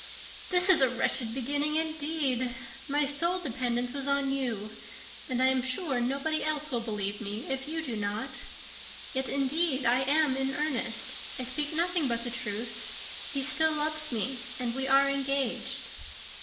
"This is a wretched beginning, indeed! My sole dependence was on you; and I am sure nobody else will believe me, if you do not. Yet, indeed, I am in earnest. I speak nothing but the truth. He still loves me, and we are engaged."